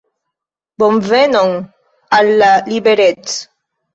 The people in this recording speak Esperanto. Bonvenon, Al la liberec'